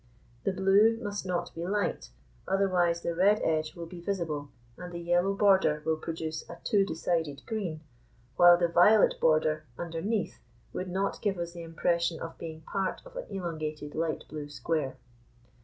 The blue must not be light, otherwise the red edge will be visible, and the yellow border will produce a too decided green, while the violet border underneath would not give us the impression of being part of an elongated light blue square.